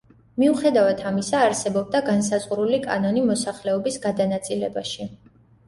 მიუხედავად ამისა არსებობდა განსაზღვრული კანონი მოსახლეობის გადანაწილებაში.